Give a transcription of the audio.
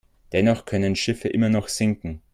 Dennoch können Schiffe immer noch sinken.